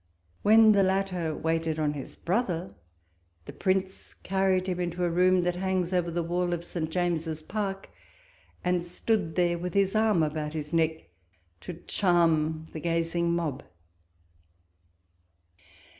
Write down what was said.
When the la, tter waited on his brother, the Prince carried him into a room that hangs over the wall of St. James's Park, and stood there with his arm about his neck, to charm the gazing mob.